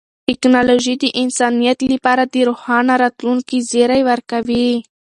ټیکنالوژي د انسانیت لپاره د روښانه راتلونکي زیری ورکوي.